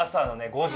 ５時？